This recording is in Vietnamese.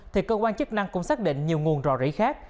thì cơ quan chức năng cũng xác định nhiều nguồn rò rỉ khác